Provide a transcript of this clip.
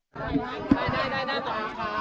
ไม่ได้หยัดแล้วนะ